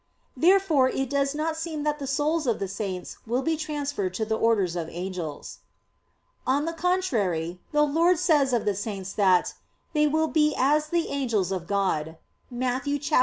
Therefore it does not seem that the souls of the saints will be transferred to the orders of angels. On the contrary, The Lord says of the saints that, "they will be as the angels of God" (Matt. 22:30).